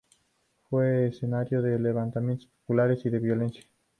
Fue escenario de levantamientos populares y de violencia.